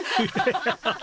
ハハハハ！